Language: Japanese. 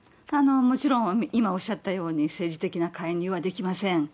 もちろん、今おっしゃったように、政治的な介入はできません。